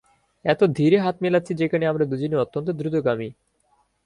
এত ধীরে হাত মেলাচ্ছি যেখানে আমরা দুজনই অত্যন্ত দ্রুতগামী।